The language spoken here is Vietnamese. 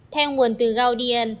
theo nguồn từ gaudian